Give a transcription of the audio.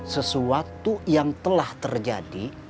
sesuatu yang telah terjadi